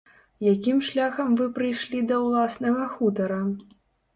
Якім шляхам вы прыйшлі да ўласнага хутара?